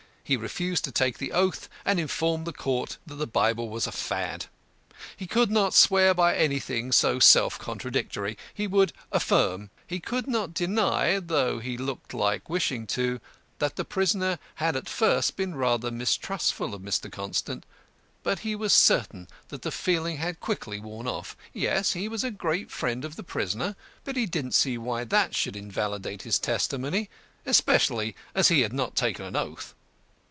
He refused to take the oath, and informed the court that the Bible was a Fad. He could not swear by anything so self contradictory. He would affirm. He could not deny though he looked like wishing to that the prisoner had at first been rather mistrustful of Mr. Constant, but he was certain that the feeling had quickly worn off. Yes, he was a great friend of the prisoner, but he didn't see why that should invalidate his testimony, especially as he had not taken an oath.